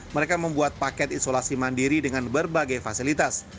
mereka membuat paket isolasi mandiri dengan berbagai fasilitas